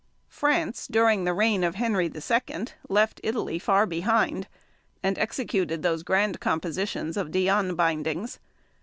France, during the reign of Henry II., left Italy far behind, and executed those grand compositions of Diane bindings.